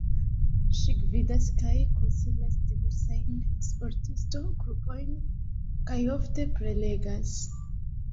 Ŝi gvidas kaj konsilas diversajn sportisto-grupojn kaj ofte prelegas.